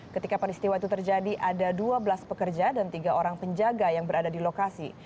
ketika peristiwa itu terjadi ada dua belas pekerja dan tiga orang penjaga yang berada di lokasi